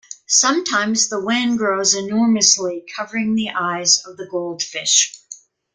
Sometimes the wen grows enormously covering the eyes of the goldfish.